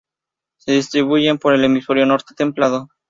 Se distribuyen por el hemisferio Norte templado.